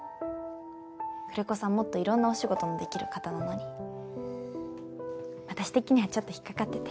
久連木さんもっといろんなお仕事のできる方なのに私的にはちょっと引っかかってて。